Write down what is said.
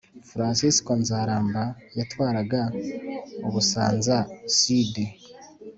Fransisko Nzaramba yatwaraga Ubusanza-Sud.